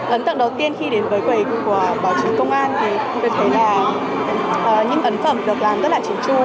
ấn tượng đầu tiên khi đến với quầy của báo chí công an thì tôi thấy là những ấn phẩm được làm rất là chính chu